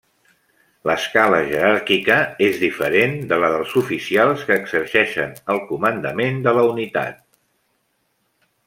L'escala jeràrquica és diferent de la dels oficials que exerceixen el comandament de la unitat.